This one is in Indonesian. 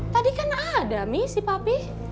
tadi kan ada mih si papi